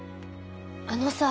あのさ。